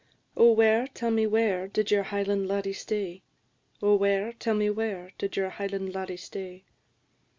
"Oh, where, tell me where, did your Highland laddie stay? Oh, where, tell me where, did your Highland laddie stay?"